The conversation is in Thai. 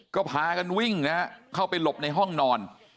ก็พากันวิ่งนะฮะเข้าไปหลบในห้องนอน